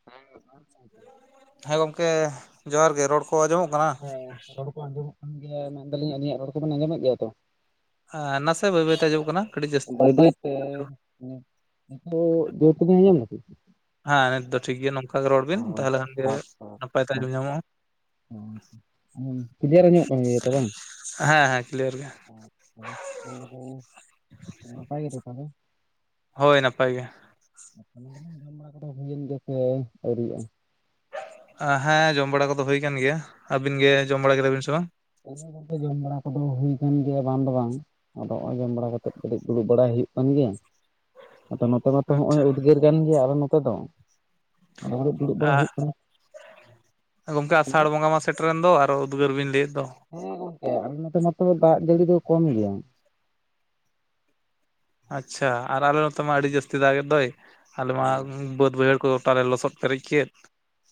[unintelligible] ᱦᱮᱸ ᱜᱚᱝᱠᱮ, ᱡᱚᱦᱟᱨ ᱜᱮ, ᱨᱚᱲ ᱠᱚ ᱟᱸᱡᱚᱢᱚᱜ ᱠᱟᱱᱟ? ᱦᱮᱸ ᱨᱚᱲ ᱠᱚ ᱟᱸᱡᱚᱢᱚᱜ ᱠᱟᱱ ᱜᱮᱭᱟ, ᱢᱮᱱᱫᱟᱞᱤᱧ ᱟᱞᱤᱧᱟᱜ ᱨᱚᱲ ᱠᱚᱵᱮᱱ ᱟᱸᱡᱚᱢᱮᱫ ᱜᱮᱭᱟ ᱛᱚ? ᱮᱸ ᱱᱟᱥᱮ ᱵᱟᱹᱭ ᱵᱟᱹᱭᱛᱮ ᱟᱸᱡᱚᱢᱚᱜ ᱠᱟᱱᱟ ᱠᱟᱹᱴᱤᱡ ᱡᱟᱹᱥ ᱵᱟᱹᱭ ᱵᱟᱹᱭ ᱛᱮ [unintelligible] ᱦᱮᱸ, ᱱᱤᱛ ᱫᱚ ᱴᱷᱤᱠ ᱜᱮᱭᱟ ᱱᱚᱝᱠᱟ ᱜᱮ ᱨᱚᱲ ᱵᱤᱱ ᱛᱟᱦᱚᱞᱮ ᱠᱷᱟᱱᱜᱮ ᱟᱪᱪᱷᱟ ᱱᱟᱯᱟᱭ ᱛᱮ ᱟᱡᱚᱢ ᱧᱟᱢᱚᱜᱼᱟ [unintelligible] ᱟᱡᱚᱢᱚᱜ ᱠᱟᱱ ᱜᱮᱭᱟ ᱛᱚ ᱵᱟᱝ? ᱦᱮᱸ ᱦᱮᱸ ᱠᱞᱤᱭᱟᱨ ᱜᱮ [unintelligible] ᱦᱳᱭ ᱱᱟᱯᱟᱭ ᱜᱮ᱾ [unintelligible] ᱦᱮᱸ ᱡᱚᱢ ᱵᱟᱲᱟ ᱠᱚᱫᱚ ᱦᱩᱭ ᱠᱟᱱ ᱜᱮᱭᱟ, ᱟᱹᱵᱤᱱ ᱜᱮ ᱡᱚᱢ ᱵᱟᱲᱟ ᱠᱮᱫᱟ ᱵᱤᱱ ᱥᱮ ᱵᱟᱝ? [unintelligible] ᱡᱚᱢ ᱵᱟᱲᱟ ᱠᱚᱫᱚ ᱦᱩᱭ ᱠᱟᱱ ᱜᱮᱭᱟ ᱵᱟᱝ ᱫᱚ ᱵᱟᱝ ᱟᱫᱚ ᱚᱸᱭ ᱡᱚᱢ ᱵᱟᱲᱟ ᱠᱟᱛᱮ ᱠᱟᱹᱴᱤᱡ ᱫᱩᱲᱩᱵ ᱵᱟᱲᱟᱭ ᱦᱩᱭᱩᱜ ᱠᱟᱱ ᱜᱮᱭᱟ ᱟᱫᱚ ᱱᱚᱛᱮ ᱢᱟᱛᱚ ᱦᱚᱸᱜᱼᱚᱭ ᱟᱪᱪᱷᱟ ᱩᱫᱽᱜᱟᱹᱨ ᱠᱟᱱ ᱜᱮᱭᱟ ᱟᱞᱮ ᱱᱚᱛᱮ ᱫᱚ᱾ [unintelligible] ᱠᱟᱱᱟ᱾ ᱟᱜ, ᱜᱚᱢᱠᱮ ᱟᱥᱟᱲ ᱵᱚᱸᱜᱟ ᱢᱟ ᱥᱮᱴᱮᱨᱮᱱ ᱫᱚ ᱟᱨᱚ ᱩᱫᱽᱜᱟᱹᱨ ᱵᱤᱱ ᱞᱟᱹᱭᱮᱫ ᱫᱚ᱾ ᱦᱮᱸ ᱜᱚᱝᱠᱮ, ᱟᱞᱮ ᱱᱚᱛᱮ ᱢᱟᱛᱚ ᱫᱟᱜ ᱡᱟᱹᱲᱤ ᱫᱚ ᱠᱚᱢ ᱜᱮᱭᱟ᱾ ᱟᱪᱪᱷᱟ ᱟᱨ ᱟᱞᱮ ᱱᱚᱛᱮ ᱢᱟ ᱟᱹᱰᱤ ᱡᱟᱹᱥᱛᱤ ᱫᱟᱜᱽ ᱮᱫ ᱫᱚᱭ ᱟᱞᱮ ᱢᱟ ᱵᱟᱹᱫᱽ ᱵᱟᱹᱭᱦᱟᱹᱲ ᱠᱚ ᱜᱚᱴᱟ ᱞᱮ ᱞᱚᱥᱚᱫ [unintelligible]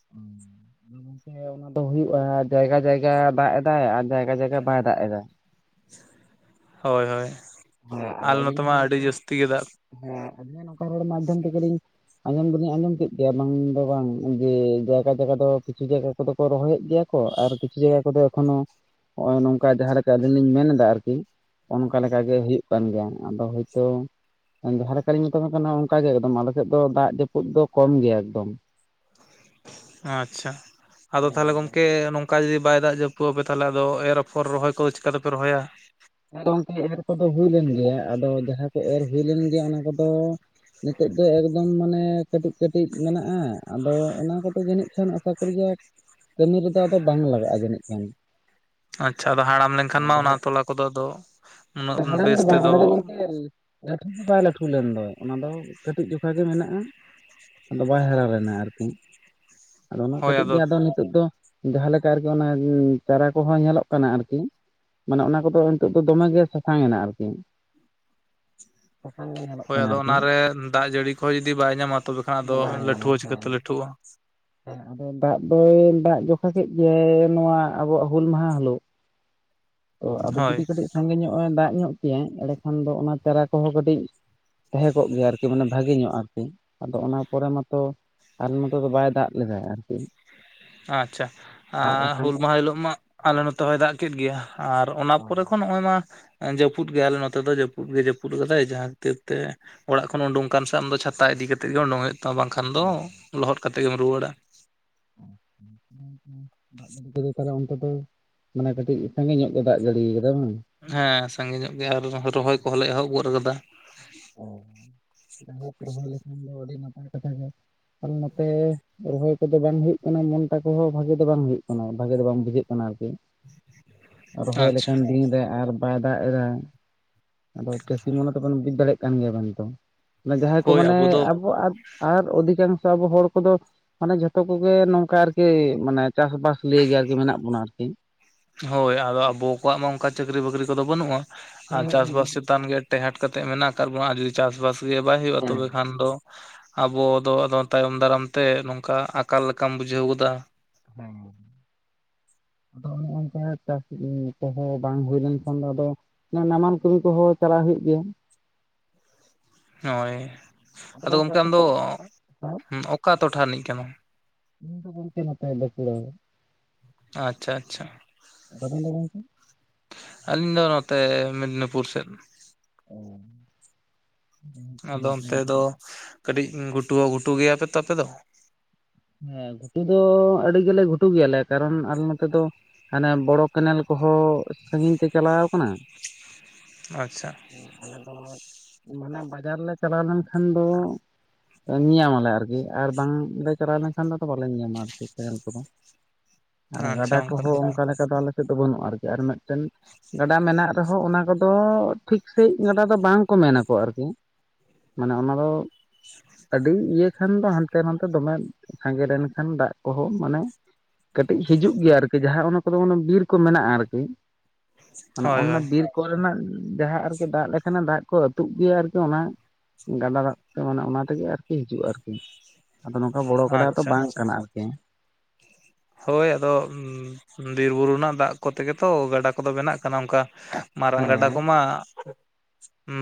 [inaudible] [unintelligible] ᱫᱚ ᱦᱩᱭᱩᱜᱼᱟ ᱡᱟᱭᱜᱟ ᱡᱟᱭᱜᱟ ᱫᱟᱜ ᱮᱫᱟᱭ, ᱟᱨ ᱡᱟᱭᱜᱟ ᱡᱟᱭᱜᱟ ᱵᱟᱭ ᱫᱟᱜ ᱮᱫᱟ᱾ ᱦᱳᱭ ᱦᱳᱭ, ᱦᱮᱸ ᱟᱫᱚ ᱟᱞᱮ ᱱᱚᱛᱮ ᱟᱹᱞᱤᱧ ᱢᱟ ᱦᱚᱸ ᱟᱹᱰᱤ ᱱᱚᱝᱠᱟ ᱡᱟᱹᱥᱛᱤ ᱜᱮ ᱫᱟᱜ [unintelligible] ᱢᱟᱫᱽᱫᱷᱚᱢ ᱛᱮᱜᱞᱤᱧ ᱟᱸᱡᱚᱢ ᱫᱚᱞᱤᱧ ᱟᱸᱡᱚᱢ ᱠᱮᱫ ᱜᱮᱭᱟ ᱵᱟᱝ ᱫᱚ ᱵᱟᱝ ᱡᱮ, ᱡᱟᱭᱜᱟ ᱡᱟᱭᱜᱟ ᱫᱚ ᱠᱤᱪᱷᱩ ᱡᱟᱭᱜᱟ ᱠᱚᱫᱚ ᱠᱚ ᱨᱚᱦᱚᱭᱮᱫ ᱜᱮᱭᱟ ᱠᱚ ᱟᱨ ᱠᱤᱪᱷᱩ ᱡᱟᱭᱜᱟ ᱠᱚᱫᱚ ᱮᱠᱷᱚᱱᱳ ᱱᱚᱜ ᱚᱭ ᱱᱚᱝᱠᱟ ᱡᱟᱦᱟᱸ ᱞᱮᱠᱟ ᱟᱹᱞᱤᱧ ᱞᱤᱧ ᱢᱮᱱ ᱮᱫᱟ ᱟᱨᱠᱤ ᱚᱱᱠᱟ ᱞᱮᱠᱟ ᱚᱱᱠᱟ ᱜᱮ ᱦᱩᱭᱩᱜ ᱠᱟᱱ ᱜᱮᱭᱟ ᱟᱫᱚ ᱦᱳᱭᱛᱚ ᱡᱟᱦᱟᱸ ᱞᱮᱠᱟᱞᱤᱧ ᱢᱮᱛᱵᱮᱱ ᱠᱟᱱᱟ ᱚᱱᱠᱟ ᱜᱮ ᱮᱠᱫᱚᱢ, ᱟᱞᱮ ᱥᱮᱫ ᱫᱚ ᱫᱟᱜ ᱡᱟᱹᱯᱩᱫ ᱫᱚ ᱠᱚᱢ ᱜᱮᱭᱟ ᱮᱠᱫᱚᱢ᱾ ᱟᱪᱪᱷᱟ, ᱟᱫᱚ ᱛᱟᱦᱞᱮ ᱜᱚᱝᱠᱮ ᱱᱚᱝ ᱚᱠᱟ ᱡᱩᱫᱤ ᱵᱟᱭ ᱫᱟᱜ ᱡᱟᱹᱯᱩᱫ ᱟᱯᱮ, ᱛᱟᱦᱚᱞᱮ ᱟᱫᱚ ᱮᱨ ᱟᱯᱷᱚᱨ ᱨᱚᱦᱚᱭ ᱠᱚᱫᱚ ᱪᱮᱠᱟᱛᱮᱯᱮ ᱨᱚᱦᱚᱭᱟ? ᱟᱫᱚ ᱚᱱᱛᱮ ᱮᱨ ᱠᱚᱫᱚ ᱦᱩᱭ ᱞᱮᱱ ᱜᱮᱭᱟ, ᱟᱫᱚ ᱡᱟᱦᱟᱸ ᱠᱚ ᱮᱨ ᱦᱩᱭ ᱞᱮᱱ ᱜᱮᱭᱟ ᱚᱱᱟ ᱠᱚᱫᱚ ᱱᱤᱛᱚᱜ ᱫᱚ ᱮᱠᱫᱚᱢ ᱢᱟᱱᱮ ᱠᱟᱹᱴᱤᱡ ᱠᱟᱹᱴᱤᱡ ᱢᱮᱱᱟᱜᱼᱟ, ᱟᱫᱚ ᱚᱱᱟ ᱠᱚᱫᱚ ᱡᱟᱹᱱᱤᱡ ᱠᱷᱟᱱ ᱟᱥᱟ [unintelligible] ᱠᱟᱹᱢᱤ ᱨᱮᱫᱚ ᱟᱫᱚ ᱵᱟᱝ ᱞᱟᱜᱟᱜᱼᱟ ᱡᱟᱹᱱᱤᱡ ᱠᱷᱟᱱ᱾ ᱟᱪᱪᱷᱟ, ᱟᱫᱚ ᱦᱟᱲᱟᱢ ᱞᱮᱱᱠᱷᱟᱱ ᱢᱟ ᱚᱱᱟ ᱛᱚᱞᱟ ᱠᱚᱫᱚ ᱟᱫᱚ ᱩᱱᱟᱹᱜ ᱟᱫᱚ ᱦᱟᱲᱟᱢ ᱫᱚ ᱵᱮᱥ ᱵᱟᱝ ᱚᱱᱟ ᱫᱚ ᱛᱮᱫᱚ ᱜᱚᱢᱠᱮ ᱞᱟᱹᱴᱩ ᱫᱚ ᱵᱟᱭ ᱞᱟᱹᱴᱷᱩ ᱞᱮᱱ ᱫᱚ, ᱚᱱᱟ ᱫᱚ ᱠᱟᱹᱴᱤᱡ ᱡᱚᱠᱷᱟ ᱜᱮ ᱢᱮᱱᱟᱜᱼᱟ᱾ ᱟᱫᱚ ᱵᱟᱭ ᱦᱟᱨᱟ ᱞᱮᱱᱟ ᱟᱨᱠᱤ ᱟᱫᱚ ᱩᱱᱟᱹᱜ ᱠᱟᱹᱴᱤᱡ ᱜᱮ ᱟᱫᱚ ᱛᱚᱜ ᱫᱚ ᱡᱟᱦᱟ ᱞᱮᱠᱟ ᱟᱨᱠᱤ ᱚᱱᱟ ᱪᱟᱨᱟ ᱠᱚᱦᱚᱸ ᱧᱮᱞᱚᱜ ᱠᱟᱱᱟ ᱟᱨᱠᱤ ᱢᱟᱱᱮ ᱚᱱᱟ ᱠᱚᱫᱚ ᱛᱚᱜ ᱫᱚ ᱫᱚᱢᱮ ᱜᱮ ᱥᱟᱥᱟᱝ ᱮᱱᱟ ᱟᱨᱠᱤ᱾ ᱥᱟᱥᱟᱝ ᱜᱮ ᱧᱮᱞᱚᱜ ᱦᱳᱭ, ᱠᱟᱱᱟ ᱟᱫᱚ ᱟᱨᱠᱤ ᱚᱱᱟ ᱨᱮ ᱫᱟᱜ ᱡᱟᱹᱲᱤ ᱠᱚᱦᱚᱸ ᱡᱩᱫᱤ ᱵᱟᱭ ᱧᱟᱢᱟ ᱛᱚᱵᱮ ᱠᱷᱟᱱ ᱟᱫᱚ ᱵᱟᱭ ᱞᱟᱹᱴᱷᱩ ᱧᱟᱢᱟ ᱦᱚᱸ ᱦᱮᱸ ᱪᱤᱠᱟᱹᱛᱮ ᱞᱟᱹᱴᱷᱩᱜᱼᱟ᱾ ᱟᱫᱚ ᱫᱟᱜ ᱫᱚᱭ ᱫᱟᱜ ᱡᱚᱠᱷᱟ ᱠᱮᱫ ᱜᱮᱭᱟᱭ ᱱᱚᱣᱟ ᱟᱵᱚᱣᱟᱜ ᱦᱩᱞ ᱢᱟᱦᱟ ᱦᱤᱞᱳᱜ ᱛᱚ ᱟᱫᱚ ᱦᱳᱭ ᱡᱩᱫᱤ ᱠᱟᱹᱴᱤᱡ ᱥᱟᱸᱜᱮ ᱧᱚᱜ ᱫᱟᱜ ᱧᱚᱜ ᱠᱮᱭᱟᱭ ᱮᱸᱰᱮᱠᱷᱟᱱ ᱫᱚ ᱚᱱᱟ ᱛᱮᱨᱟ ᱠᱚᱦᱚᱸ ᱠᱟᱹᱴᱤᱡ ᱛᱟᱦᱮᱸ ᱠᱚᱜ ᱜᱮᱭᱟ ᱟᱨᱠᱤ ᱢᱟᱱᱮ ᱵᱷᱟᱜᱮ ᱧᱚᱜ ᱟᱨᱠᱤ, ᱟᱫᱚ ᱚᱱᱟ ᱯᱚᱨᱮ ᱢᱟᱛᱚ ᱟᱨ ᱢᱚᱛᱚ ᱫᱚ ᱵᱟᱭ ᱫᱟᱜ ᱞᱮᱫᱟᱭ ᱟᱨᱠᱤ ᱟᱪᱪᱷᱟ ᱵᱟᱠᱷᱟᱱ ᱦᱩᱞ ᱫᱚ ᱢᱟᱦᱟ ᱦᱤᱞᱳᱜ ᱢᱟ ᱟᱞᱮ ᱱᱚᱛ ᱫᱚᱦᱚᱭ ᱫᱟᱜ ᱠᱮᱫ ᱜᱮᱭᱟ ᱟᱨ ᱚᱱᱟ ᱯᱚᱨᱮ ᱠᱷᱚᱱ ᱱᱚᱜᱼᱚᱭ ᱢᱟ᱾ ᱡᱟᱹᱯᱩᱫ ᱜᱮᱭᱟᱞᱮ ᱱᱚᱛᱮ ᱫᱚ ᱡᱟᱹᱯᱩᱫ ᱜᱮ ᱡᱟᱹᱯᱩᱫ ᱜᱮᱞᱮ ᱡᱟᱦᱟᱸ ᱠᱷᱟᱹᱛᱤᱨ ᱛᱮ ᱚᱲᱟᱜ ᱠᱷᱚᱱ ᱩᱰᱩᱝ ᱠᱟᱱ ᱥᱮ ᱟᱢ ᱫᱚ ᱪᱷᱟᱛᱟ ᱤᱫᱤ ᱠᱟ ᱠᱟᱛᱮᱜ ᱜᱮ ᱩᱰᱩᱝ ᱦᱩᱭᱩᱜ ᱛᱟᱢᱟ ᱵᱟᱝᱠᱷᱟᱱ ᱫᱚ ᱞᱚᱦᱚᱫ ᱠᱟᱛᱮᱫ ᱜᱮᱢ ᱨᱩᱣᱟᱹᱲᱟ ᱾ [inaudible] ᱛᱟᱞᱦᱮ ᱚᱱᱛᱮ ᱫᱚ ᱢᱟᱱᱮ ᱠᱟᱹᱴᱤᱡ ᱥᱟᱸᱜᱮ ᱧᱚᱜ ᱜᱮ ᱫᱟᱜ ᱡᱟᱹᱲᱤᱭᱟ ᱠᱟᱫᱟ ᱵᱟᱝ? ᱦᱮᱸ ᱥᱟᱸᱜᱮ ᱧᱚᱜ ᱜᱮ ᱟᱨ ᱨᱚᱦᱚᱭ ᱠᱚᱦᱚᱸᱞᱮ ᱮᱦᱚᱵ ᱜᱚᱫ ᱟᱠᱟᱫᱟ᱾ ᱚ [inaudible] [unintelligible] ᱞᱮᱠᱷᱟᱱ ᱫᱚ ᱟᱹᱰᱤ ᱱᱟᱯᱟᱭ ᱠᱟᱛᱷᱟ ᱜᱮ ᱟᱨ ᱱᱚᱛᱮ ᱨᱚᱦᱚᱭ ᱠᱚᱫᱚ ᱵᱟᱝ ᱦᱩᱭᱩᱜ ᱠᱟᱱᱟ ᱢᱚᱱᱴᱟ ᱠᱚᱦᱚᱸ ᱵᱷᱟᱜᱮ ᱫᱚ ᱵᱟᱝ ᱦᱩᱭᱩᱜ ᱠᱟᱱᱟ ᱵᱷᱟᱜᱮ ᱫᱚ ᱵᱟᱝ ᱵᱩᱡᱷᱟᱹᱜ ᱠᱟᱱᱟ ᱟᱨᱠᱤ ᱾ [unintelligible] ᱨᱚᱦᱚᱭ ᱟᱪᱪᱷᱟ ᱞᱮᱠᱷᱟᱱ ᱫᱤᱱ ᱨᱮ ᱟᱨ ᱵᱟᱭ ᱫᱟᱜ ᱮᱫᱟ ᱟᱫᱚ ᱪᱟᱹᱥᱤ ᱢᱚᱱᱮ ᱛᱮᱵᱚᱱ ᱵᱩᱡ ᱫᱟᱲᱮ ᱠᱟᱱ ᱜᱮᱭᱟ ᱵᱚᱱ ᱛᱚ ᱡᱟᱦᱟᱸᱭ ᱠᱚ ᱦᱳᱭ ᱢᱟᱱᱮ ᱟᱵᱚ ᱫᱚ ᱟᱵᱚᱣᱟᱜ ᱟᱨ ᱚᱫᱷᱤᱠᱟᱝᱥᱚ ᱟᱵᱚ ᱦᱚᱲ ᱠᱚᱫᱚ ᱢᱟᱱᱮ ᱡᱷᱚᱛᱚ ᱠᱚᱜᱮ ᱱᱚᱝᱠᱟ ᱟᱨᱠᱤ ᱢᱟᱱᱮ ᱪᱟᱥᱵᱟᱥ ᱞᱤᱭᱮ ᱜᱮ ᱟᱨᱠᱤ ᱢᱮᱱᱟᱜ ᱵᱚᱱᱟ ᱟᱨᱠᱤ ᱾ ᱦᱳᱭ ᱟᱫᱚ ᱟᱵᱚ ᱠᱚᱣᱟᱜ ᱢᱟ ᱚᱱᱠᱟ ᱪᱟᱹᱠᱨᱤ ᱵᱟᱹᱠᱨᱤ ᱠᱚᱫᱚ ᱵᱟᱹᱱᱩᱜᱼᱟ ᱟᱨ ᱪᱟᱥᱵᱟᱥ ᱪᱮᱛᱟᱱ ᱜᱮ ᱴᱮᱦᱟᱴ ᱠᱟᱛᱮᱫ ᱢᱮᱱᱟᱜ ᱟᱠᱟᱫ ᱵᱚᱱᱟ ᱟᱨ ᱡᱩᱫᱤ ᱪᱟᱥᱵᱟᱥ ᱜᱮ ᱵᱟᱭ ᱦᱩᱭᱩᱜᱼᱟ ᱛᱚᱵᱮ ᱠᱷᱟᱱ ᱫᱚ ᱟᱵᱚ ᱫᱚ ᱟᱫᱚ ᱛᱟᱭᱚᱢ ᱫᱟᱨᱟᱢ ᱛᱮ ᱱᱚᱝᱠᱟ ᱟᱠᱟᱞ ᱞᱮᱠᱟᱢ ᱵᱩᱡᱷᱟᱹᱣ ᱜᱚᱫᱟ ᱾ ᱦᱩᱸ᱾ ᱟᱫᱚ ᱚᱱᱮ ᱚᱝᱠᱟ ᱪᱟᱥ ᱠᱚᱦᱚ ᱵᱟᱝ ᱦᱩᱭ ᱞᱮᱱᱠᱷᱟᱱ ᱫᱚ ᱟᱫᱚ ᱱᱟᱢᱟᱞ ᱠᱟᱹᱢᱤ ᱠᱚᱦᱚᱸ ᱪᱟᱞᱟᱜ ᱦᱩᱭᱩᱜ ᱜᱮᱭᱟ᱾ ᱦᱳᱭ ᱟᱫᱚ ᱜᱚᱝᱠᱮ ᱜᱚᱢᱠᱮ ᱟᱯᱮ ᱟᱢᱫᱚ ᱥᱮᱫ ᱚᱠᱟ ᱴᱚᱴᱷᱟ ᱨᱤᱱᱤᱡ ᱥᱟᱱᱟᱢ? ᱤᱧ ᱫᱚ ᱵᱚᱞᱛᱮ ᱱᱚᱛᱮ ᱵᱟᱠᱩᱲᱟ᱾ ᱟᱪᱪᱷᱟ ᱟᱪᱪᱷᱟ᱾ ᱟᱵᱮᱱ ᱫᱚ ᱜᱚᱝᱠᱮ ᱟᱹᱞᱤᱧ ᱫᱚ ᱱᱚᱛᱮ ᱢᱮᱫᱽᱱᱤᱯᱩᱨ ᱥᱮᱫ᱾ [unintelligible] ᱟᱫᱚ ᱚᱱᱛᱮ ᱫᱚ ᱠᱟᱹᱴᱤᱡ ᱜᱷᱩᱴᱩ ᱦᱚ ᱜᱷᱩᱴᱩ ᱜᱮᱭᱟᱯᱮ ᱛᱚ ᱟᱯᱮ ᱫᱚ᱾ ᱦᱮᱸ ᱜᱷᱩᱴᱩ ᱫᱚ ᱟᱹᱰᱤ ᱜᱮᱞᱮ ᱜᱷᱩᱴᱩ ᱜᱮᱭᱟᱞᱮ ᱠᱟᱨᱚᱱ ᱟᱞᱮ ᱱᱚᱛᱮ ᱫᱚ ᱦᱟᱱᱮ ᱵᱚᱲᱚ ᱠᱮᱱᱮᱞ ᱠᱚᱦᱚᱸ ᱥᱟᱹᱜᱤᱧ ᱛᱮ ᱪᱟᱞᱟᱣ ᱟᱠᱟᱱᱟ᱾ ᱟᱪᱪᱷᱟ᱾ ᱟᱞᱮ ᱫᱚ ᱢᱟᱱᱮ ᱵᱟᱡᱟᱨ ᱞᱮ ᱪᱟᱞᱟᱣ ᱞᱮᱱᱠᱷᱟᱱ ᱫᱚ ᱧᱮᱭᱟᱢᱟᱞᱮ ᱟᱨᱠᱤ ᱟᱨ ᱵᱟᱝ ᱞᱮ ᱪᱟᱞᱟᱣ ᱞᱮᱱᱠᱷᱟᱱ ᱫᱚ ᱛᱚ ᱵᱟᱞᱮ ᱧᱟᱢᱟ ᱟᱨᱠᱤ ᱠᱮᱱᱮᱞ ᱠᱚᱫᱚ, ᱟᱨ ᱟᱪᱪᱷᱟ ᱜᱟᱰᱟ ᱚᱱᱠᱟᱱ ᱠᱚᱦᱚᱸ ᱠᱟᱛᱷᱟ ᱚᱱᱠᱟ ᱞᱮᱠᱟ ᱫᱚ ᱟᱞᱮ ᱫᱚ ᱵᱟᱹᱱᱩᱜ-ᱟ ᱟᱨᱠᱤ ᱟᱨ ᱢᱤᱫᱴᱮᱱ ᱜᱟᱰᱟ ᱢᱮᱱᱟᱜ ᱨᱮᱦᱚᱸ ᱚᱱᱟ ᱠᱚᱫᱚ ᱴᱷᱤᱠ ᱥᱟ. ᱡ ᱜᱟᱰᱟ ᱫᱚ ᱵᱟᱝ ᱠᱚ ᱢᱮᱱᱟᱠᱚ ᱟᱨᱠᱤ᱾ ᱢᱟᱱᱮ ᱚᱱᱟ ᱫᱚ ᱟᱹᱰᱤ ᱤᱭᱟᱹ ᱠᱷᱟᱱ ᱫᱚ ᱦᱟᱱᱛᱮ ᱱᱟᱛᱮ ᱫᱚᱢᱮ ᱥᱟᱸᱜᱮ ᱞᱮᱱᱠᱷᱟᱱ ᱫᱟᱜ ᱠᱚᱦᱚᱸ ᱢᱟᱱᱮ ᱠᱟᱹᱴᱤᱡ ᱦᱤᱡᱩᱜ ᱜᱮᱭᱟ ᱟᱨᱠᱤ ᱡᱟᱦᱟᱸ ᱚᱱᱟ ᱠᱚᱫᱚ ᱚᱱᱮ ᱵᱤᱨ ᱠᱚ ᱢᱮᱱᱟᱜᱼᱟ ᱟᱨᱠᱤ᱾ ᱢᱟᱱᱮ ᱦᱳᱭ ᱚᱱᱟ ᱦᱳᱭ ᱵᱤᱨ ᱠᱚ ᱨᱮᱱᱟᱜ ᱡᱟᱦᱟᱸ ᱟᱨᱠᱤ ᱫᱟᱜ ᱞᱮᱠᱷᱟᱱᱮ ᱫᱟᱜ ᱠᱚ ᱟᱹᱛᱩᱜ ᱜᱮᱭᱟ ᱟᱨᱠᱤ ᱚᱱᱟ ᱜᱟᱰ ᱨᱟᱜ ᱛᱮ ᱢᱟᱱᱮ ᱚᱱᱟ ᱛᱮᱜᱮ ᱟᱨᱠᱤ ᱦᱤᱡᱩᱜᱼᱟ ᱟᱨᱠᱤ, ᱟᱫᱚ ᱱᱚᱝ ᱠᱚᱰᱟ ᱫᱚ ᱟᱪᱪᱷᱟ ᱵᱟᱝ ᱟᱪᱪᱷᱟ ᱠᱟᱱᱟ ᱟᱨᱠᱤ᱾ ᱦᱳᱭ ᱟᱫᱚ ᱵᱤᱨ ᱵᱩᱨᱩ ᱨᱮᱱᱟᱜ ᱫᱟᱜ ᱠᱚ ᱛᱮᱜᱮ ᱛᱚ ᱜᱟᱰᱟ ᱠᱚᱫᱚ ᱵᱮᱱᱟᱜ ᱠᱟᱱᱟ ᱚᱱᱠᱟ᱾ ᱢᱟᱨᱟᱝ ᱜᱟᱰᱟ ᱠᱚᱢᱟ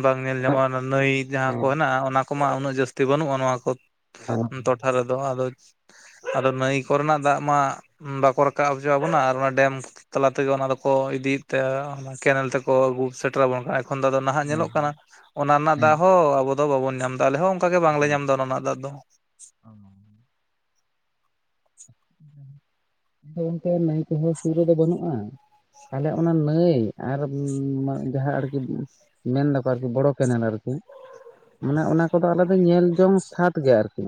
ᱵᱟᱝ ᱧᱮᱞ ᱟᱫᱚ ᱧᱟᱢᱚᱜᱼᱟ ᱱᱟᱹᱭ ᱡᱟᱦᱟᱸ ᱠᱚ ᱟᱫᱚ ᱦᱮᱱᱟᱜᱼᱟ ᱚᱱᱟ ᱠᱚᱢᱟ ᱩᱱᱟᱹᱜ ᱡᱟᱹᱥᱛᱤ ᱵᱟᱹᱱᱩᱜᱼᱟ ᱱᱚᱣᱟ ᱠᱚ [unintelligible] ᱴᱚᱴᱷᱟ ᱨᱮᱫᱚ ᱟᱫᱚ ᱟᱫᱚ ᱱᱟᱹᱭ ᱠᱚ ᱨᱮᱱᱟᱜ ᱫᱟᱜ ᱢᱟ ᱵᱟᱠᱚ ᱨᱟᱠᱟᱵ ᱦᱚᱪᱚ ᱟᱵᱚᱱᱟ ᱟᱨ ᱚᱱᱟ ᱰᱮᱢ ᱛᱟᱞᱟ ᱛᱮᱜᱮ ᱚᱱᱟ ᱫᱚᱠᱚ ᱤᱫᱤᱭᱮᱫ ᱛᱮ ᱚᱱᱟ ᱠᱮᱱᱮᱞ ᱛᱮᱠᱚ ᱟᱹᱜᱩ ᱥᱮᱴᱨᱟᱵᱚᱱ ᱠᱟᱱ ᱠᱷᱚᱱ ᱫᱚ ᱱᱟᱦᱟᱜ ᱧᱮᱞᱚᱜ ᱠᱟᱱᱟ ᱚᱱᱟ ᱨᱮᱱᱟᱜ ᱫᱟᱜ ᱦᱚᱸ ᱟᱵᱚ ᱫᱚ ᱵᱟᱵᱚᱱ ᱧᱟᱢ ᱫᱟ ᱟᱞᱮ ᱦᱚᱸ ᱚᱱᱠᱟ ᱜᱮ ᱵᱟᱝᱞᱮ ᱧᱟᱢ ᱮᱫᱟ ᱚᱱᱟ ᱨᱮᱱᱟᱜ ᱫᱟᱜ ᱫᱚ ᱚᱸᱻ ᱟᱫᱚ ᱚᱱᱛᱮ ᱱᱟ. ᱭ ᱠᱚᱫᱚ ᱥᱩᱨ ᱨᱮᱫᱚ ᱵᱟᱹᱱᱩᱜ-ᱟ ᱟᱞᱮᱭᱟᱜ ᱚᱱᱟ ᱱᱟᱹᱭ ᱟᱨ ᱡᱟᱦᱟᱸ ᱟᱨᱠᱤ ᱢᱮᱱ ᱫᱟᱠᱚ ᱟᱨᱠᱤ ᱵᱚᱲᱚ ᱠᱮᱱᱮᱞ ᱟᱨᱠᱤ ᱢᱟᱱᱮ ᱚᱱᱟ ᱠᱚᱫᱚ ᱟᱞᱮ ᱫᱚ ᱧᱮᱞ ᱡᱚᱝ ᱥᱟᱫ ᱜᱮ ᱟᱨᱠᱤ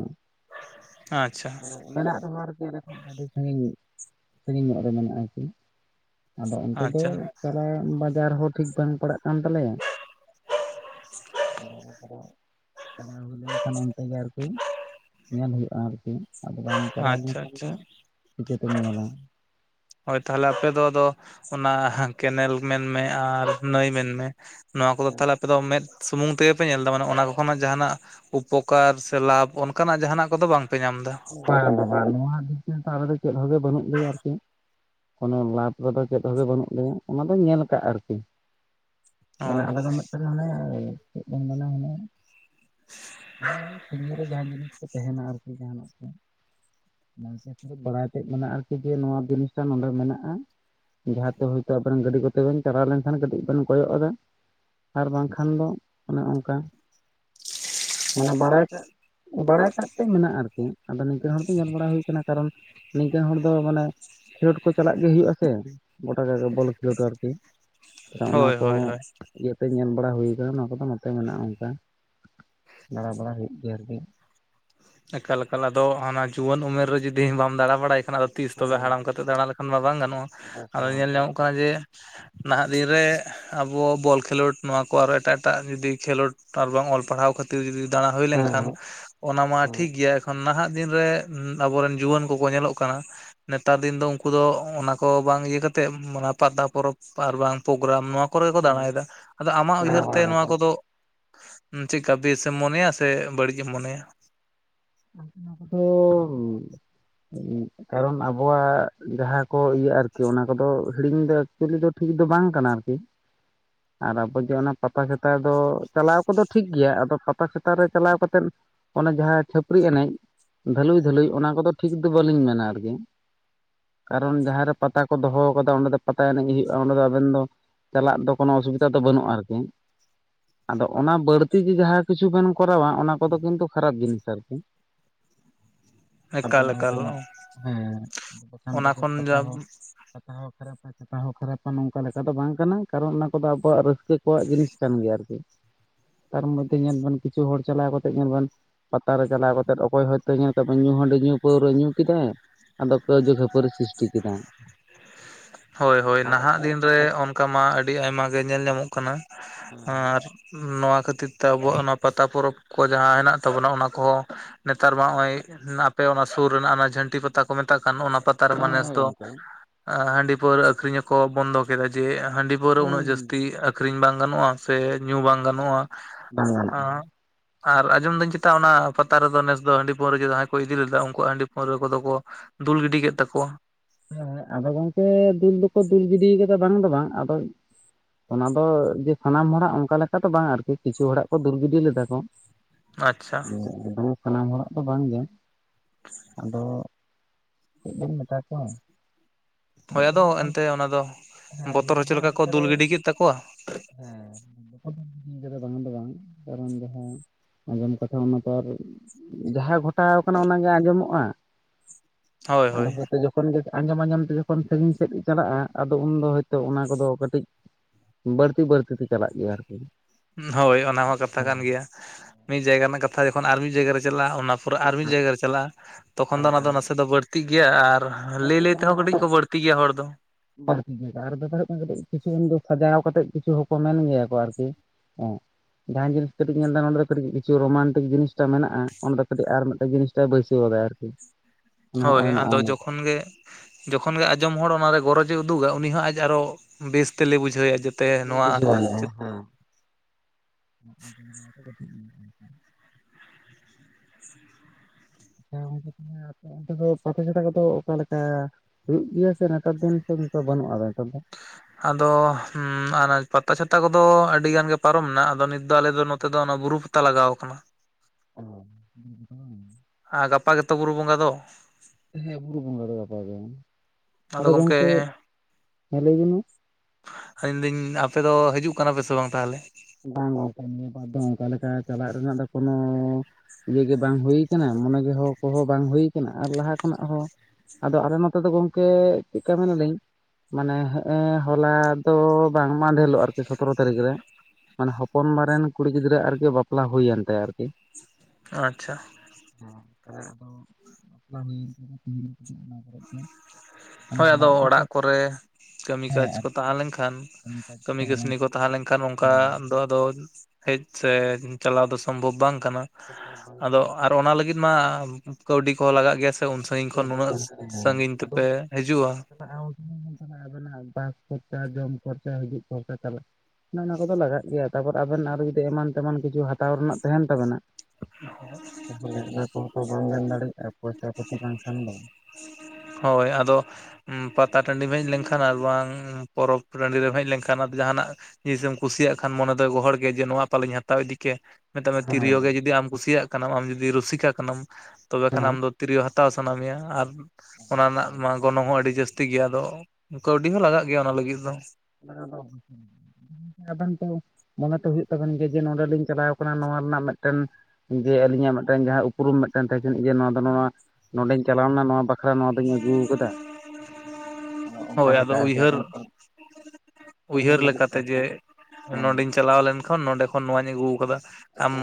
ᱟᱪᱪᱷᱟ ᱢᱮᱱᱟᱜ ᱨᱮᱦᱚᱸ ᱟᱨᱠᱤ ᱚᱸᱰᱮᱠᱷᱚᱱ ᱫᱚ ᱟᱹᱰᱤ ᱥᱟᱜᱤᱧ ᱥᱟᱺᱜᱤᱧ ᱧᱚᱜ ᱨᱮ ᱢᱮᱱᱟᱜ-ᱟ ᱠᱤ ᱟᱫᱚ ᱚᱱᱛᱮ ᱫᱚ ᱟᱪᱪᱷᱟ ᱪᱟᱞᱟᱣ ᱵᱟᱡᱟᱨ ᱦᱚᱸ ᱴᱷᱤᱠ ᱵᱟᱝ ᱯᱟᱲᱟᱜ ᱠᱟᱱ ᱛᱟᱞᱮᱭᱟ ᱚᱻ ᱦᱚ ᱪᱟᱞᱟᱣ ᱦᱩᱭ ᱞᱮᱱᱠᱷᱟᱱ ᱚᱱᱛᱮ ᱜᱮ ᱟᱨᱠᱤ ᱧᱮᱞ ᱦᱩᱭᱩᱜ-ᱟ ᱟᱨᱠᱤ ᱟᱫᱚ ᱵᱟᱝ ᱪᱟᱞᱟᱣ ᱟᱪᱪᱷᱟ ᱞᱮᱱᱠᱷᱟᱱ ᱟᱪᱪᱷᱟ ᱪᱤᱠᱟ. ᱛᱮᱢ ᱧᱮᱞᱟ ᱦᱳᱭ ᱛᱟᱦᱞᱮ ᱟᱯᱮ ᱫᱚ ᱟᱫᱚ ᱚᱱᱟ ᱠᱮᱱᱮᱞ ᱢᱮᱱᱢᱮ ᱟᱨ ᱱᱟᱹᱭ ᱢᱮᱱᱢᱮ ᱱᱚᱣᱟ ᱠᱚᱫᱚ ᱛᱟᱦᱚᱞᱮ ᱟᱯᱮ ᱫᱚ ᱢᱮᱫ ᱥᱩᱢᱩᱝ ᱛᱮᱜᱮ ᱯᱮ ᱧᱮᱞ ᱫᱟ ᱢᱟᱱᱮ ᱚᱱᱟ ᱠᱚ ᱠᱷᱚᱱᱟᱜ ᱡᱟᱦᱟᱱᱟᱜ ᱩᱯᱚᱠᱟᱨ ᱥᱮ ᱞᱟᱵᱷ ᱚᱱᱠᱟᱱᱟᱜ ᱡᱟᱦᱟᱱᱟᱜ ᱠᱚᱫᱚ ᱵᱟᱝᱯᱮ ᱧᱟᱢ ᱮᱫᱟ ᱵᱟ ᱵᱟᱝ ᱱᱚᱣᱟ ᱤᱫᱤ ᱠᱟᱛᱮ ᱟᱞᱮ ᱫᱚ ᱪᱮᱫ ᱦᱚᱸ ᱵᱟᱹᱱᱩᱜ ᱞᱮᱭᱟ ᱟᱨᱠᱤ ᱠᱳᱱᱚ ᱞᱟᱵ ᱨᱮᱫᱚ ᱪᱮᱫ ᱦᱚᱸ ᱵᱟᱹᱱᱩᱜ ᱞᱮᱭᱟ ᱚᱱᱟ ᱫᱚᱧ ᱧᱮᱞ ᱟᱠᱟᱫ ᱟᱨᱠᱤ ᱚᱱᱮ ᱦᱳᱭ ᱟᱞᱮ ᱫᱚ ᱢᱤᱫᱴᱮᱱ ᱚᱱᱮ ᱪᱮᱫ ᱫᱚ ᱢᱮᱱᱟ ᱚᱱᱮ ᱚᱱᱮ ᱥᱟᱺᱜᱤᱧ ᱨᱮ ᱡᱟᱦᱟᱸ ᱡᱤᱱᱤᱥ ᱠᱚ ᱛᱟᱦᱮᱱᱟ ᱟᱨᱠᱤ ᱡᱟᱦᱟᱱᱟᱜ ᱱᱚᱝᱠᱮᱥ ᱠᱚ ᱫᱟᱲᱟ ᱩᱪᱩᱭᱮᱫ ᱵᱚᱱᱟ ᱟᱨᱠᱤ ᱡᱮ ᱱᱚᱣᱟ ᱡᱤᱱᱤᱥᱴᱟ ᱱᱚᱰᱮ ᱢᱮᱱᱟᱜ-ᱟ ᱡᱟᱦᱟᱸ ᱦᱳᱭᱛᱳ ᱟᱵᱮᱱ ᱜᱟᱹᱰᱤ ᱠᱚᱛᱮ ᱵᱮᱱ ᱪᱟᱞᱟᱣ ᱞᱮᱱᱠᱷᱟᱱ ᱠᱟᱹᱴᱤᱡ ᱵᱮᱱ ᱠᱚᱭᱚᱜ ᱟᱫᱟ ᱟᱨ ᱵᱟᱝᱠᱷᱟᱱ ᱫᱚ ᱚᱱᱮ ᱚᱱᱠᱟ ᱢᱟᱱᱮ ᱵᱟᱲᱟᱭ ᱠᱟᱜ ᱵᱟᱲᱟᱭ ᱠᱟᱜᱛᱮ ᱢᱮᱱᱟᱜ-ᱟ ᱟᱨ ᱠᱤ ᱟᱫᱚ ᱱᱤᱝᱠᱟᱹ ᱦᱚᱲ ᱫᱚ ᱧᱮᱞ ᱵᱟᱲᱟ ᱦᱩᱭ ᱠᱟᱱᱟ ᱠᱟᱨᱚᱱ ᱱᱤᱝᱠᱟᱹ ᱦᱚᱲ ᱫᱚ ᱢᱟᱱᱮ ᱠᱷᱮᱞᱳᱰ ᱠᱚ ᱪᱟᱞᱟᱜ ᱜᱮ ᱦᱩᱭᱩᱜ-ᱟ ᱥᱮ ᱜᱚᱴᱟ ᱜᱮ ᱵᱚᱞ ᱠᱷᱮᱞᱳᱰ ᱟᱨᱠᱤ ᱛᱟᱞᱮ ᱚᱱᱟ ᱦᱳᱭ ᱠᱚ ᱦᱳᱭ ᱦᱳᱭ ᱤᱭᱟᱹᱛᱮ ᱧᱮᱞ ᱵᱟᱲᱟ ᱦᱩᱭ ᱟᱠᱟᱱᱟ ᱱᱚᱣᱟ ᱠᱚᱫᱚ ᱱᱚᱛᱮ ᱢᱮᱱᱟᱜ-ᱟ ᱚᱱᱠᱟ ᱫᱟᱬᱟ ᱵᱟᱲᱟ ᱦᱩᱭᱩᱜ ᱜᱮᱭᱟ ᱟᱨᱠᱤ ᱮᱠᱟᱞ ᱮᱠᱟᱞ ᱟᱫᱚ ᱦᱟᱱᱟ ᱡᱩᱣᱟᱹᱱ ᱩᱢᱮᱨ ᱨᱮ ᱡᱩᱫᱤ ᱵᱟᱢ ᱫᱟᱬᱟ ᱵᱟᱲᱟᱭ ᱠᱷᱟᱱ ᱛᱤᱥ ᱛᱚᱵᱮ ᱦᱟᱲᱟᱢ ᱠᱟᱛᱮ ᱫᱟᱬᱟ ᱞᱮᱠᱷᱟᱱ ᱢᱟ ᱵᱟᱝ ᱜᱟᱱᱚᱜ-ᱟ ᱟᱫᱚ ᱧᱮᱞ ᱧᱟᱢᱚᱜ ᱠᱟᱱᱟ ᱡᱮ ᱱᱟᱦᱟᱜ ᱫᱤᱱ ᱨᱮ ᱟᱵᱚ ᱵᱚᱞ ᱠᱷᱮᱞᱳᱰ ᱱᱚᱣᱟ ᱠᱚ ᱟᱨᱚ ᱮᱴᱟᱜ ᱮᱴᱟᱜ ᱡᱩᱫᱤ ᱠᱷᱮᱞᱳᱰ ᱟᱨ ᱵᱟᱝ ᱚᱞ ᱯᱟᱲᱦᱟᱣ ᱠᱷᱟᱹᱛ ᱛᱤᱨ ᱡᱩᱫᱤ ᱫᱟᱬᱟ ᱦᱩᱭ ᱞᱮᱱᱠᱷᱟᱱ ᱚᱱᱟ ᱢᱟ ᱴᱷᱤᱠ ᱜᱮᱭᱟ ᱮᱠᱷᱚᱱ ᱱᱟᱦᱟᱜ ᱫᱤᱱᱨᱮ ᱟᱵᱚᱨᱮᱱ ᱡᱩᱣᱟᱹᱱ ᱠᱚᱠᱚ ᱧᱮᱞᱚᱜ ᱠᱟᱱᱟ ᱱᱮᱛᱟᱨ ᱫᱤᱱ ᱫᱚ ᱩᱱᱠᱩ ᱫᱚ ᱚᱱᱟ ᱠᱚ ᱵᱟᱝ ᱤᱭᱟᱹ ᱠᱟᱛᱮᱫ ᱚᱱᱟ ᱯᱟᱛᱟ ᱯᱚᱨᱚᱵᱽ ᱟᱨᱵᱟᱝ ᱯᱨᱳᱜᱨᱟᱢ ᱱᱚᱣᱟ ᱠᱚᱨᱮᱜ ᱠᱚ ᱫᱟᱬᱟᱭᱮᱫᱟ ᱟᱫᱚ ᱟᱢᱟᱜ ᱩᱭᱦᱟᱹᱨ ᱛᱮ ᱱᱚᱣᱟ ᱠᱚᱫᱚ ᱪᱮᱫᱠᱟ ᱵᱮᱥᱮᱢ ᱢᱚᱱᱮᱭᱟ ᱥᱮ ᱵᱟᱹᱲᱤᱡ ᱮᱢ ᱢᱚᱱᱮᱭᱟ ᱚᱱ ᱚᱱᱟ ᱠᱚᱫᱚ ᱠᱟᱨᱚᱱ ᱟᱵᱚᱣᱟᱜ ᱡᱟᱦᱟᱸ ᱠᱚ ᱤᱭᱟᱹᱜ ᱟᱨᱠᱤ ᱚᱱᱟ ᱠᱚᱫᱚ ᱦᱤᱲᱤᱧ ᱫᱚ ᱮᱠᱪᱳᱞᱤ ᱫᱚ ᱴᱷᱤᱠ ᱫᱚ ᱵᱟᱝ ᱠᱟᱱᱟ ᱟᱨᱠᱤ [unintelligible] ᱟᱨ ᱟᱵᱚ ᱡᱮ ᱚᱱᱟ ᱯᱟᱛᱟ ᱪᱷᱟᱛᱟ ᱫᱚ ᱪᱟᱞᱟᱣ ᱠᱚᱫᱚ ᱴᱷᱤᱠ ᱜᱮᱭᱟ ᱟᱫᱚ ᱯᱟᱛᱟ ᱪᱷᱟᱛᱟ ᱨᱮ ᱪᱟᱞᱟᱣ ᱠᱟᱛᱮᱫ ᱚᱱᱮ ᱡᱟᱦᱟᱸ ᱪᱷᱟᱹᱯᱨᱤ ᱮᱱᱮᱡ ᱫᱷᱟᱹᱞᱩᱭ ᱫᱷᱟᱹᱞᱩᱭ ᱚᱱᱟ ᱠᱚᱫᱚ ᱴᱷᱤᱠ ᱫᱚ ᱵᱟᱹᱞᱤᱧ ᱢᱮᱱᱟ ᱟᱨᱠᱤ ᱠᱟᱨᱚᱱ ᱡᱟᱦᱟᱸᱨᱮ ᱯᱟᱛᱟ ᱠᱚ ᱫᱚᱦᱚᱸ ᱟᱠᱟᱫᱟ᱾ ᱚᱸᱰᱮ ᱫᱚ ᱯᱟᱛᱟ ᱮᱱᱮᱡ ᱦᱩᱭᱩᱜ-ᱟ᱾ ᱚᱸᱰᱮ ᱫᱚ ᱟᱵᱮᱱ ᱫᱚ ᱪᱟᱞᱟ-ᱜ ᱫᱚ ᱠᱳᱱᱳ ᱚᱥᱩᱵᱤᱫᱷᱽᱚ ᱫᱚ ᱵᱟᱹᱱᱩᱜ-ᱟ᱾ ᱟᱨᱠᱤ ᱟᱫᱚ ᱚᱱᱟ ᱵᱟᱹᱲᱛᱤ ᱜᱮ ᱡᱟᱦᱟᱸ ᱠᱤᱪᱷᱩ ᱵᱮᱱ ᱠᱚᱨᱟᱣᱟ ᱾ ᱚᱱᱟ ᱠᱚᱼᱫᱚ ᱠᱤᱱᱛᱩ ᱠᱷᱟᱨᱟᱯ ᱡᱤᱱᱤᱥ ᱟᱨᱠᱤ [unintelligible] ᱮᱠᱟᱞ ᱟᱵᱮᱱᱟᱜ ᱦᱚᱭᱛᱳ ᱮᱠᱟᱞ ᱦᱮᱸ ᱟᱫᱚ ᱵᱟᱠᱷᱟᱱ ᱫᱚ ᱚᱱᱟ ᱪᱮᱫ ᱠᱷᱚᱱ ᱯᱟᱛᱟ ᱡᱟ ᱦᱚᱸ ᱯᱟᱛᱟ ᱦᱚᱸ ᱠᱷᱟᱨᱟᱯᱟ ᱪᱟᱛᱟ ᱦᱚᱸ ᱠᱷᱟᱨᱟᱯ-ᱟ᱾ ᱱᱚᱝᱠᱟ ᱞᱮᱠᱟ ᱫᱚ ᱵᱟᱝ ᱠᱟᱱᱟ᱾ ᱠᱟᱨᱚᱱ ᱚᱱᱟ ᱠᱚᱼᱫᱚ ᱟᱵᱚᱣᱟ-ᱜ ᱨᱟᱹᱥᱠᱟᱹ ᱠᱚᱣᱟᱜ ᱡᱤᱱᱤᱥ ᱠᱟᱱ ᱜᱮᱭᱟ ᱾ ᱟᱨᱠᱤ ᱛᱟᱨ ᱢᱚᱫᱽᱫᱷᱮ ᱧᱮᱞᱵᱮᱱ ᱠᱤᱪᱷᱩ ᱦᱚᱲ ᱪᱟᱞᱟᱣ ᱠᱟᱛᱮᱜ ᱧᱮᱞ ᱵᱮᱱ ᱯᱟᱛᱟ ᱨᱮ ᱪᱟᱞᱟᱣ ᱠᱟᱛᱮᱫ᱾ ᱚᱠᱚᱭ ᱦᱚᱭᱛᱚ ᱧᱩ ᱛᱟᱵᱮ ᱧᱩ ᱦᱟᱺᱰᱤ, ᱧᱩ ᱯᱟᱹᱣᱨᱟᱹ ᱧᱩ ᱠᱮᱫᱟᱭ᱾ ᱟᱫᱚ ᱠᱟᱹᱭᱡᱟᱹ ᱠᱷᱟᱹᱯᱟᱹᱨᱤ ᱥᱤᱥᱴᱤ ᱠᱮᱫᱟᱭ᱾ ᱦᱳᱭ, ᱦᱳᱭ ᱱᱟᱦᱟᱜ ᱫᱤᱱ ᱨᱮ ᱚᱱᱠᱟ ᱢᱟ᱾ ᱟᱹᱰᱤ ᱟᱭᱢᱟ ᱜᱮ ᱧᱮᱞ ᱧᱟᱢᱚ-ᱜ ᱠᱟᱱᱟ᱾ ᱟᱨ ᱱᱚᱣᱟ ᱠᱷᱟᱹᱛᱤᱨ ᱛᱮ ᱟᱵᱚᱣᱟᱼᱜ ᱚᱱᱟ ᱯᱟᱛᱟ ᱯᱚᱨᱚᱵᱽ ᱠᱚ ᱡᱟᱦᱟᱸ ᱦᱮᱱᱟᱜ ᱛᱟᱵᱚᱱ-ᱟ᱾ ᱚᱱᱟ ᱠᱚᱦᱚᱸ ᱱᱮᱛᱟᱨ ᱢᱟ ᱚᱜ-ᱚᱭ ᱟᱯᱮ ᱚᱱᱟ ᱥᱩᱨ ᱨᱮᱱᱟ-ᱜ ᱚᱱᱟ ᱡᱷᱽᱟᱹᱱᱴᱤ ᱯᱟᱛᱟ ᱠᱚ ᱢᱮᱛᱟᱜ ᱠᱟᱱ ᱾ ᱚᱱᱟ ᱯᱟ ᱛᱟ ᱨᱮᱢᱟ ᱱᱮᱥ ᱦᱮᱸ ᱫᱚ ᱜᱚᱝᱠᱮ ᱾ ᱟ ᱦᱟᱺᱰᱤ ᱯᱟᱹᱣᱨᱟᱹ ᱟᱹᱠᱷᱤᱨᱤᱧ ᱦᱚᱸᱠᱚ ᱵᱚᱱ ᱠᱮᱫᱟ ᱾ ᱡᱮ ᱦᱟᱺᱰᱤ ᱯᱟᱹᱣᱨᱟᱹ ᱩᱱᱟᱹᱜ ᱡᱟᱹᱥᱛᱤ ᱟᱹᱠᱷᱨᱤᱧ ᱵᱟᱝ ᱜᱟᱱᱚᱜ-ᱟ᱾ ᱥᱮ ᱧᱩ ᱵᱟᱝ ᱜᱟᱱᱚᱜ-ᱟ᱾ ᱵᱟᱝ ᱜᱟᱱᱚᱜᱼᱟ ᱟᱨ ᱟᱸᱡᱚᱢ ᱫᱤᱧ ᱪᱮᱛᱟ᱾ ᱚᱱᱟ ᱯᱟᱛᱟ ᱨᱮᱫᱚ ᱱᱮᱥ ᱫᱚ ᱦᱟᱺᱰᱤ, ᱯᱟᱹᱣᱨᱟᱹ, ᱡᱟᱦᱟᱸᱭ ᱠᱚ ᱤᱫᱤ ᱞᱮᱫᱟ᱾ ᱩᱱᱠᱩᱣᱟ-ᱜ ᱦᱟᱺᱰᱤ ᱯᱟᱹᱣᱨᱟᱹ ᱠᱚᱼᱫᱚ ᱠᱚ ᱫᱩᱞ ᱜᱤᱰᱤ ᱠᱮᱫ ᱛᱟᱠᱚᱣᱟ᱾ ᱦᱮᱸ ᱟᱫᱚ ᱜᱚᱝᱠᱮ ᱫᱩᱞ ᱫᱚ-ᱠᱚ ᱫᱩᱞ ᱜᱤᱰᱤᱭ ᱠᱟᱫᱟ᱾ ᱵᱟᱝ ᱫᱚ ᱵᱟᱝ ᱟᱫᱚ ᱚᱱᱟ ᱫᱚ ᱡᱮ ᱥᱟᱱᱟᱢ ᱦᱚᱲᱟᱜ ᱚᱱᱠᱟ ᱞᱮᱠᱟᱛᱚ ᱵᱟᱝ᱾ ᱟᱨᱠᱤ ᱠᱤᱪᱷᱩ ᱦᱚᱲᱟ-ᱜ ᱠᱚ ᱫᱩᱞ ᱜᱤᱰᱤ ᱞᱮᱫᱟ ᱠᱚ᱾ ᱟᱪᱪᱷᱟ [inaudible] ᱥᱟᱱᱟᱢ ᱦᱚᱲᱟᱜ ᱫᱚ ᱵᱟᱝᱜᱮ ᱟᱫᱚ ᱪᱮᱫ ᱵᱮᱱ ᱢᱮᱛᱟ ᱠᱚᱣᱟ᱾ ᱦᱳᱭ ᱟᱫᱚ ᱮᱱᱛᱮ ᱚᱱᱟ ᱫᱚ᱾ ᱵᱚᱛᱚᱨ ᱦᱚᱪᱚ ᱞᱮᱠᱟ ᱠᱚ᱾ ᱫᱩᱞ ᱜᱤᱰᱤ ᱠᱮᱫ ᱛᱟᱠᱚᱣᱟ᱾ [unintelligible] ᱵᱟᱝ ᱫᱚ ᱵᱟᱝ ᱠᱟᱨᱚᱱ ᱡᱟᱦᱟᱸ ᱟᱸᱡᱚᱢ ᱠᱟᱛᱮ ᱚᱱᱟ ᱯᱚᱨ ᱡᱟᱦᱟᱸ ᱜᱷᱽᱚᱴᱟᱣ ᱟᱠᱟᱱᱟ ᱾ ᱚᱱᱟᱜᱮ ᱟᱸᱡᱚᱢᱚᱜᱼᱟ᱾ ᱦᱳᱭ ᱟᱫᱚ ᱦᱳᱭ ᱦᱚᱭᱛᱚ ᱡᱚᱠᱷᱚᱱ ᱜᱮ ᱟᱸᱡᱚᱢ ᱟᱸᱡᱚᱢ ᱛᱮᱜᱮ ᱡᱚᱠᱷᱚᱱ ᱥᱟᱺᱜᱤᱧ ᱥᱮᱫ ᱪᱟᱞᱟᱜᱼᱟ᱾ ᱟᱫᱚ ᱩᱱᱫᱚ ᱦᱚᱳᱭᱛᱚ ᱚᱱᱟ ᱠᱚᱼᱫᱚ ᱠᱟᱹᱴᱤᱡ ᱵᱟᱹᱲᱛᱤ, ᱵᱟᱹᱲᱛᱤ ᱛᱮ ᱪᱟᱞᱟ-ᱜ ᱜᱮᱭᱟ᱾ ᱟᱨᱠᱤ ᱦᱳᱭ ᱚᱱᱟ ᱦᱚᱸ ᱠᱟᱛᱷᱟ ᱠᱟᱱ ᱜᱮᱭᱟ᱾ ᱢᱤᱫ ᱡᱟᱭᱜᱟ ᱨᱮᱱᱟᱜ ᱠᱟᱛᱷᱟ ᱡᱚᱠᱷᱚᱱ ᱟᱨ ᱢᱤᱫ ᱡᱟᱭᱜᱟ᱾ ᱨᱮ ᱪᱟᱞᱟᱜᱼᱟ᱾ ᱚᱱᱟ ᱯᱩᱨᱮ ᱟᱨ ᱢᱤᱫ ᱡᱟᱭᱜᱟ ᱨᱮ ᱪᱟᱞᱟᱜᱼᱟ᱾ ᱛᱚᱠᱷᱚᱱ ᱫᱚ ᱚᱱᱟ ᱫᱚ ᱱᱟᱥᱮ ᱫᱚ ᱵᱟᱹᱲᱛᱤᱼᱜ ᱜᱮᱭᱟ᱾ ᱟᱨ ᱞᱟᱹᱭ, ᱞᱟᱹᱭ ᱛᱮ ᱦᱚᱸ ᱠᱟᱹᱴᱤᱡ ᱠᱚ ᱵᱟᱹᱲᱛᱤ ᱜᱮᱭᱟ᱾ ᱦᱚᱲ ᱫᱚ ᱟᱨ ᱠᱟᱱᱟ ᱠᱟᱹᱴᱤᱡ ᱠᱤᱪᱷᱩ ᱫᱚ ᱥᱟᱡᱟᱣ ᱠᱟᱛᱮᱮᱫ ᱠᱤᱪᱷᱩ ᱦᱚ-ᱠᱚ ᱢᱮᱱ ᱜᱮᱭᱟ᱾ ᱠᱚ ᱟᱨᱠᱤ ᱚ ᱡᱟᱦᱟᱸ ᱡᱤᱱᱤᱥ ᱠᱟᱹᱴᱤᱡ ᱧᱮᱞ ᱫᱟ᱾ ᱱᱚᱸᱰᱮ ᱫᱚ ᱠᱟᱹᱴᱤᱡ ᱠᱤᱪᱷᱩ ᱨᱳᱢᱟᱱᱴᱤᱠ ᱡᱤᱱᱤᱥᱴᱟ ᱢᱮᱱᱟᱜᱼᱟ᱾ ᱚᱸᱰᱮ ᱫᱚ ᱠᱟᱹᱴᱤᱡ ᱟᱨ ᱢᱤᱫᱴᱮᱱ ᱡᱤᱱᱤᱥ ᱴᱟᱭ ᱵᱟᱹᱭᱥᱟᱹᱣ ᱟᱫᱟᱭ ᱾ ᱟᱨᱠᱤ ᱦᱳᱭ ᱱᱚᱜᱼᱚᱭ ᱟᱫᱚ ᱱᱚᱜᱼᱚ ᱱᱚᱝᱠᱟ ᱡᱚᱠᱷᱚᱱ ᱜᱮ ᱡᱚᱠᱷᱚᱱ ᱜᱮ ᱟᱸᱚᱢ ᱦᱚᱲ ᱚᱱᱟᱨᱮ ᱜᱚᱨᱚᱡᱮ ᱩᱫᱩᱜᱟ᱾ ᱩᱱᱤ ᱦᱚᱸ ᱟᱡ ᱟᱨᱚ ᱵᱮᱥ ᱛᱮ ᱞᱟᱹᱭ ᱵᱩᱡᱷᱟᱹᱣᱭᱟ᱾ ᱡᱮ ᱞᱟᱹᱭ ᱵᱩᱡᱷᱟᱹᱣ ᱟᱞᱮ ᱦᱮᱸ ᱚᱱᱛᱮ ᱫᱚ ᱯᱟᱛᱟ ᱪᱷᱟᱛᱟ ᱠᱚᱼᱫᱚ ᱚᱠᱟᱞᱮᱠᱟ᱾ ᱦᱩᱭᱩ-ᱜ ᱜᱮᱭᱟ ᱥᱮ ᱱᱮᱛᱟᱨ ᱫᱤᱱ ᱫᱚ ᱵᱟᱹᱱᱩᱜᱼᱟ᱾ ᱱᱮᱛᱟᱨ ᱫᱚ᱾ ᱟᱫᱚ ᱦᱮᱸ ᱚᱱᱟ ᱯᱟᱛᱟ ᱪᱷᱟᱛᱟ ᱠᱚᱼᱫᱚ ᱟᱹᱰᱤ ᱜᱟᱱ ᱜᱮ ᱯᱟᱨᱚᱢᱮᱱᱟ᱾ ᱟᱫᱚ ᱱᱤᱛ ᱫᱚ ᱟᱞᱮᱫᱚ ᱱᱚᱛᱮ ᱫᱚ ᱚᱱᱟ ᱵᱩᱨᱩ ᱯᱟᱛᱟ ᱞᱟᱜᱟᱣ ᱟᱠᱟᱱᱟ᱾ [unintelligible] ᱟᱨ ᱜᱟᱯᱟ ᱜᱮᱛᱚ ᱵᱩᱨᱩ ᱵᱚᱺᱜᱟ ᱫᱚ᱾ ᱦᱮᱸ ᱵᱩᱨᱩ ᱵᱚᱸᱜᱟ ᱫᱚ ᱜᱟᱯᱟ ᱜᱮ᱾ ᱟᱫᱚ ᱜᱚᱝᱠᱮ ᱦᱮᱸ ᱞᱟᱹᱭ ᱵᱤᱱ ᱟᱫᱟᱹᱧ ᱟᱯᱮ ᱫᱚ ᱦᱤᱡᱩᱼᱜ ᱠᱟᱱᱟ ᱯᱮ ᱾ᱥᱮ ᱵᱟᱝ ᱛᱟᱦᱚᱞᱮ? ᱵᱟᱝ ᱜᱚᱝᱠᱮ ᱱᱤᱭᱟᱹ ᱵᱟᱨ ᱫᱚ ᱚᱱᱠᱟ ᱞᱮᱠᱟ ᱪᱟᱞᱟᱜ ᱨᱮᱱᱟᱜ ᱫᱚ ᱠᱳᱱᱳ ᱤᱭᱟᱹ ᱜᱮ ᱵᱟᱝ ᱦᱩᱭ ᱠᱟᱱᱟ ᱢᱚᱱᱮ ᱜᱮ ᱦᱚ ᱠᱚᱦᱚᱸ ᱵᱟᱝ ᱦᱩᱭ ᱠᱟᱱᱟ ᱟᱨ ᱞᱟᱦᱟ ᱠᱷᱚᱱᱟᱜ ᱦᱚᱸ ᱟᱫᱚ ᱟᱞᱮ ᱱᱚᱛᱮ ᱫᱚ ᱜᱚᱝᱠᱮ ᱪᱮᱫᱠᱟ ᱢᱮᱱᱟᱞᱤᱧ ᱢᱟᱱᱮ ᱦᱮᱸᱜ ᱮ ᱦᱚᱞᱟ ᱫᱚ ᱵᱟᱝ ᱢᱟᱸᱫᱷᱮᱨ ᱦᱤᱞᱚᱜ ᱟᱨᱠᱤ ᱥᱚᱛᱨᱚ ᱛᱟᱹᱨᱤᱠᱷ ᱨᱮ, ᱢᱟᱱᱮ ᱦᱚᱯᱚᱱ ᱵᱟ ᱨᱮᱱ ᱠᱩᱲᱤ ᱜᱤᱫᱽᱨᱟᱹ ᱟᱨᱠᱤ ᱵᱟᱯᱞᱟ ᱦᱩᱭᱮᱱ ᱛᱟᱭᱟ᱾ ᱟᱨᱠᱤ, ᱟᱪᱪᱷᱟ, [unintelligible] ᱦᱳᱭ ᱦᱚᱞᱟ ᱟᱫᱚ ᱚᱯᱮᱪᱷᱟ ᱚᱲᱟᱜ ᱠᱚᱨᱮ ᱠᱟᱹᱢᱤ ᱠᱟᱡᱽ ᱠᱚ ᱛᱟᱦᱮᱸ ᱞᱮᱱᱠᱷᱟᱱ ᱠᱟᱹᱢᱤ ᱠᱟᱹᱥᱱᱤ ᱠᱚ ᱛᱟᱦᱮᱸ ᱞᱮᱱᱠᱷᱟᱱ ᱚᱱᱠᱟ ᱫᱚ ᱟᱫᱚ ᱦᱮᱡ ᱥᱮ ᱪᱟᱞᱟᱣ ᱫᱚ ᱥᱚᱢᱵᱷᱚᱵ ᱵᱟᱝ ᱠᱟᱱᱟ ᱟᱫᱚ ᱟᱨ ᱚᱱᱟ ᱞᱟᱹᱜᱤᱫ ᱢᱟ ᱠᱟᱹᱣᱰᱤ ᱠᱚᱦᱚᱸ ᱞᱟᱜᱟᱜ ᱜᱮᱭᱟ ᱥᱮ ᱩᱱ ᱥᱟᱸᱜᱤᱧ ᱠᱷᱚᱱ ᱱᱩᱱᱟᱹᱜ ᱥᱟᱸᱜᱤᱧ ᱛᱮᱯᱮ ᱦᱤᱡᱩᱜᱼᱟ᱾ [unintelligible] ᱟᱵᱮᱱᱟᱜ ᱵᱟᱥ ᱠᱷᱚᱨᱪᱟ ᱡᱚᱢ ᱠᱷᱚᱨᱪᱟ ᱦᱤᱡᱩᱜ ᱠᱷᱚᱨᱪᱟ ᱪᱟᱞᱟᱜ ᱚᱱᱮ ᱚᱱᱟ ᱠᱚᱫᱚ ᱞᱟᱜᱟᱜ ᱜᱮᱭᱟ ᱛᱟᱨᱯᱚᱨ ᱟᱵᱮᱱ ᱟᱨᱚ ᱡᱩᱫᱤ ᱮᱢᱟᱱ ᱛᱮᱢᱟᱱ ᱠᱤᱪᱷᱩ ᱦᱟ ᱦᱟᱛᱟᱣ ᱨᱮᱱᱟᱜ ᱛᱟᱦᱮᱱ ᱛᱟᱵᱮᱱᱟ ᱛᱟᱦᱚᱞᱮ ᱚᱱᱟ ᱠᱚᱦᱚᱸ ᱵᱟᱢ ᱢᱮᱱ ᱫᱟᱲᱮᱭᱟᱜᱼᱟ ᱯᱚᱭᱥᱟ ᱠᱚ ᱥᱮ ᱵᱟᱝ ᱠᱷᱟᱱ ᱫᱚ ᱦᱳᱭ ᱟᱫᱚ ᱯᱟᱛᱟ ᱴᱟᱺᱰᱤᱢ ᱦᱮᱡ ᱞᱮᱱᱠᱷᱟᱱ ᱟᱨ ᱵᱟᱝ ᱯᱚᱨᱚᱵᱽ ᱴᱟᱺᱰᱤ ᱨᱮᱢ ᱦᱮᱡ ᱞᱮᱱᱠᱷᱟᱱ ᱡᱟᱦᱱᱟᱜ ᱡᱤᱥᱮ ᱮᱢ ᱠᱩᱥᱤᱭᱟᱜ ᱠᱷᱟᱱ ᱢᱚᱱᱮ ᱫᱚ ᱜᱚᱦᱚᱲ ᱠᱮᱜ ᱜᱮ ᱱᱚᱣᱟ ᱯᱟᱞᱤᱧ ᱦᱟᱛᱟᱣ ᱤᱫᱤ ᱠᱮ᱾ ᱢᱮᱛᱟᱜ ᱢᱮ ᱛᱤᱨᱭᱳᱜ ᱜᱮ ᱦᱮᱸ ᱡᱩᱫᱤ ᱟᱢ ᱠᱩᱥᱤᱭᱟᱜ ᱠᱟᱱᱟᱢ ᱟᱢ ᱡᱩᱫᱤ ᱨᱩᱥᱤᱠᱟ ᱠᱟᱱᱟᱢ ᱛᱚᱵᱮ ᱠᱷᱟᱱ ᱦᱮᱸ ᱟᱢ ᱫᱚ ᱛᱤᱨᱭᱳ ᱦᱟᱛ ᱦᱟᱛᱟᱣ ᱥᱟᱱᱟ ᱢᱮᱭᱟ ᱟᱨ ᱚᱱᱟ ᱨᱮᱱᱟᱜ ᱢᱟ ᱜᱚᱱᱚᱝ ᱦᱚᱸ ᱟᱹᱰᱤ ᱡᱟᱹᱥᱛᱤ ᱜᱮᱭᱟ ᱟᱫᱚ ᱠᱟᱹᱣᱰᱤ ᱦᱚᱸ ᱞᱟᱜᱟᱜ ᱜᱮᱭᱟ ᱚᱱᱟ ᱞᱟᱹᱜᱤᱫ ᱫᱚ᱾ [unintelligible] ᱟᱵᱮᱱ ᱛᱚ ᱢᱚᱱᱮ ᱛᱚ ᱦᱩᱭᱩᱜ ᱛᱟᱵᱮᱱ ᱜᱮᱭᱟ ᱡᱮ ᱱᱚᱰᱮᱞᱤᱧ ᱪᱟᱞᱟᱣ ᱠᱟᱱᱟ ᱱᱚᱣᱟ ᱨᱮᱱᱟᱜ ᱢᱤᱫᱴᱮᱱ ᱡᱮ ᱟᱞᱤᱧᱟᱜ ᱢᱤᱫᱴᱮᱱ ᱡᱟᱦᱟᱸ ᱩᱯᱨᱩᱢ ᱢᱤᱫᱴᱮᱱ ᱛᱟᱦᱮᱸ ᱡᱮ ᱱᱚᱣᱟ ᱫᱚ ᱱᱚᱣᱟ ᱱᱚᱰᱮᱧ ᱪᱟᱞᱟᱣᱱᱟ ᱱᱚᱣᱟ ᱵᱟᱠ ᱵᱟᱠᱷᱨᱟ ᱱᱚᱣᱟ ᱫᱚᱧ ᱟᱹᱜᱩ ᱟᱠᱟᱫᱟ᱾ ᱟᱫᱚ ᱚᱱᱠᱟ ᱦᱳᱭ ᱟᱫᱚ ᱞᱮᱠᱟ ᱟᱨᱠᱤ ᱩᱭᱦᱟᱹᱨ ᱩᱭᱦᱟᱹᱨ ᱞᱟᱹᱜᱤᱫ ᱛᱮ ᱞᱮᱠᱟᱛᱮ ᱟᱨᱠᱤ ᱡᱮ ᱦᱮᱸ ᱱᱚᱰᱮᱧ ᱪᱟᱞᱟᱣ ᱞᱮᱱᱠᱷᱟᱱ ᱱᱚᱰᱮ ᱠᱷᱚᱱ ᱱᱚᱣᱟᱧ ᱟᱹᱜᱩ ᱟᱠᱟᱫᱟ᱾ ᱟᱢ ᱟᱹᱜᱩ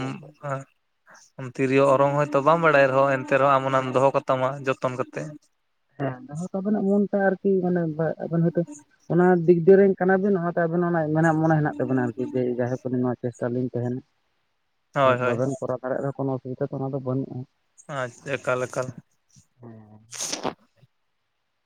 ᱮᱸᱻ ᱛᱤᱨᱭᱳ ᱚᱨᱚᱝ ᱦᱚᱭᱛᱳ ᱵᱟᱢ ᱵᱟᱲᱟᱭ ᱨᱮᱦᱚᱸ ᱮᱱ ᱛᱮ ᱨᱮᱦᱚᱸ ᱟᱢ ᱚᱱᱟᱢ ᱦᱮᱸ ᱫᱚᱦᱚ ᱠᱟᱛᱟᱢᱟ ᱡᱚᱛᱚᱱ ᱠᱟᱛᱮᱫ᱾ ᱦᱮᱸ [unintelligible] ᱟᱵᱮᱱᱟᱜ ᱢᱚᱱᱛᱮ ᱟᱨᱠᱤ ᱢᱟᱱᱮ ᱟᱵᱮᱱ ᱦᱳᱭᱛᱚ ᱚᱱᱟ ᱫᱤᱠ ᱫᱤᱭᱮ ᱠᱟᱱᱟᱵᱤᱱ ᱚᱱᱟᱛᱮ ᱟᱵᱮᱱᱟᱜ ᱚᱱᱟ ᱢᱮᱱᱟᱜ ᱢᱚᱱᱮ ᱦᱮᱱᱟᱜ ᱛᱟᱵᱤᱱᱟ ᱟᱨᱠᱤ ᱡᱮ ᱡᱟᱭᱦᱳᱠ ᱟᱞᱤᱧ ᱱᱚᱣᱟ ᱪᱮᱥᱴᱟ ᱨᱮ ᱞᱤᱧ‌ ᱛᱮᱦᱮᱱᱟ ᱦᱳᱭ ᱦᱳᱭ ᱵᱟᱵᱮᱱ ᱠᱚᱨᱟᱣ ᱫᱟᱲᱮᱭᱟᱜ ᱨᱮᱦᱚ ᱠᱳᱱᱳ ᱚᱥᱩᱵᱤᱫᱷᱟ ᱛᱚ ᱚᱱᱟ ᱫᱚ ᱵᱟᱹᱱᱩᱜᱼᱟ᱾ ᱟᱪᱪᱷᱟ ᱟᱠᱟ ᱞᱮᱠᱟ ᱦᱮᱸᱻ